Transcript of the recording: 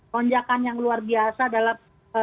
lonjakan yang luar biasa dalam